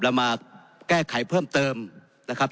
เรามาแก้ไขเพิ่มเติมนะครับ